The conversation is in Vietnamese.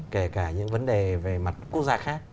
kể cả những vấn đề về mặt quốc gia khác